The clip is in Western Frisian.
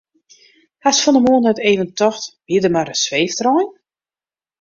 Hast fan 'e moarn net even tocht wie der mar in sweeftrein?